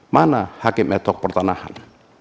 mana hakim ad hoc pertanahan